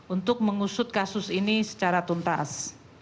untuk mengusut kasus ini secara tuntas